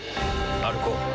歩こう。